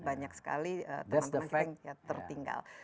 banyak sekali teman teman kita yang tertinggal